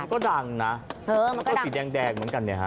ก็ดังนะมันก็สีแดงเหมือนกันเนี่ยฮะ